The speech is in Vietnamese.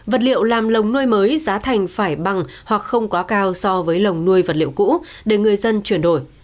vật liệu làm lồng nuôi mới giá thành phải bằng hoặc không quá cao so với lồng nuôi vật liệu cũ để người dân chuyển đổi